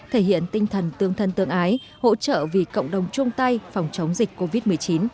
thể hiện tinh thần tương thân tương ái hỗ trợ vì cộng đồng chung tay phòng chống dịch covid một mươi chín